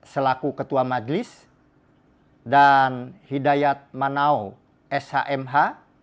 selaku ketua majlis dan hidayat manao shmh